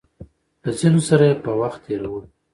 له ځينو سره يې په وخت تېرولو